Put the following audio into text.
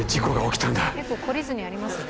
結構懲りずにやりますね。